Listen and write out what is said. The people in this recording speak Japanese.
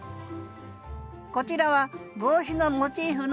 こちらは帽子のモチーフの配置。